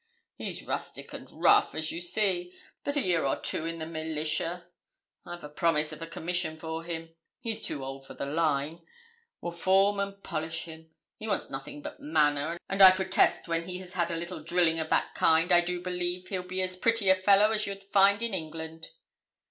He's rustic and rough, as you see; but a year or two in the militia I've a promise of a commission for him he's too old for the line will form and polish him. He wants nothing but manner; and I protest when he has had a little drilling of that kind, I do believe he'll be as pretty a fellow as you'd find in England.'